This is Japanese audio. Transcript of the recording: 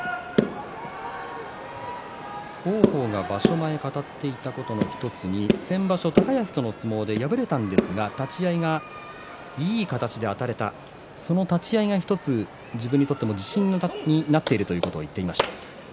王鵬が場所前に語っていたことの１つに先場所、高安との相撲で敗れたんですが立ち合いがいい形であたれたしその立ち合いが１つ自分にとっても自信になっているということを言っていました。